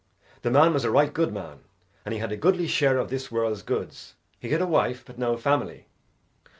The man was a right good man, and he had a goodly share of this world's goods. He had a wife, but no family.